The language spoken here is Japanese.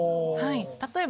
例えば。